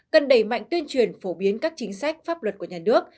cần đẩy mạnh tuyên truyền phổ biến các chính sách pháp luật của nhà nước